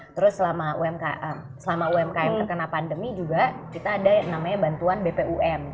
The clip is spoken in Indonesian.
terus selama umkm terkena pandemi juga kita ada yang namanya bantuan bpum